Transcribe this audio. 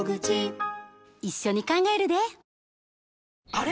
あれ？